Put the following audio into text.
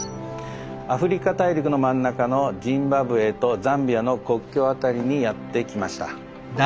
アフリカ大陸の真ん中のジンバブエとザンビアの国境辺りにやって来ました。